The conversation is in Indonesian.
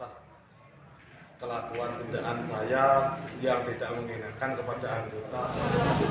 atas kelakuan bendaan payah yang tidak menyenangkan kepada anggota anggota